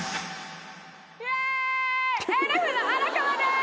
エルフの荒川です！